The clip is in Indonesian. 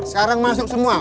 sekarang masuk semua